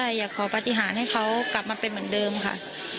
อยากขอปฏิหารให้เขากลับมาเป็นเหมือนเดิมค่ะ